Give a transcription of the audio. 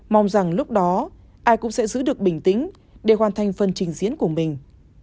mong rằng lúc đó ai cũng sẽ giữ được bình tĩnh để hoàn thành phần trình diễn của mình